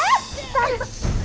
dia itu cucu saya